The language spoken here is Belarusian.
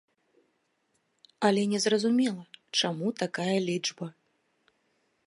Але незразумела, чаму такая лічба.